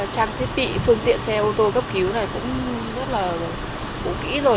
trang thiết bị phương tiện xe ô tô cấp cứu này cũng rất là cụ kỹ rồi